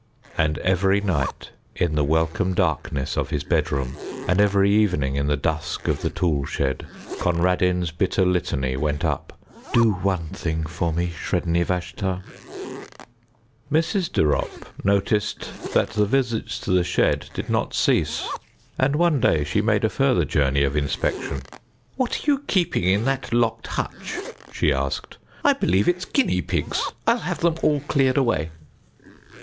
And every night, in the welcome darkness of his bedroom, and every evening in the dusk of the tool shed, Conradin's bitter litany went up: "Do one thing for me, Sredni Vashtar." Mrs. de Ropp noticed that the visits to the shed did not cease, and one day she made a further journey of inspection. "What are you keeping in that locked hutch?" she asked. "I believe it's guinea pigs. I'll have them all cleared away."